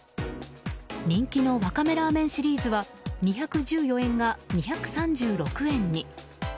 人気のわかめラーメンシリーズは２１４円が２３６円に。